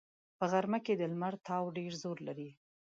په غرمه کې د لمر تاو ډېر زور لري